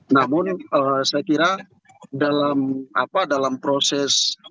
namun saya kira dalam proses